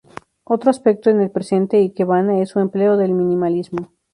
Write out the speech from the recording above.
Otro aspecto en el presente ikebana es su empleo del minimalismo.